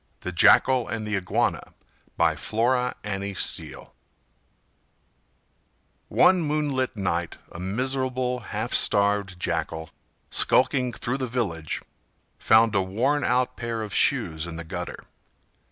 THE JACKAL AND THE IGUANA By Flora Annie Steel One moonlight night a miserable, half starved Jackal, skulking through the village, found a worn out pair of shoes in the gutter.